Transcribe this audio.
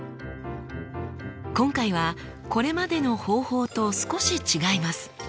今回はこれまでの方法と少し違います。